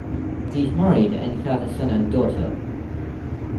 He is married, and has a son and daughter.